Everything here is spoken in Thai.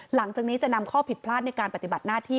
หลังจากนี้จะนำข้อผิดพลาดในการปฏิบัติหน้าที่